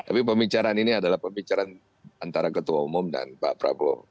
jadi pembicaraan ini adalah pembicaraan antara ketua umum dan pak prabowo